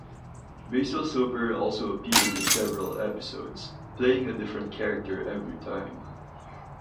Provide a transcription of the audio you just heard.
Basil Soper also appeared in several episodes, playing a different character every time.